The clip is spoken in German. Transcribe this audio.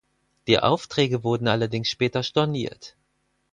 Die Aufträge wurden allerdings später storniert.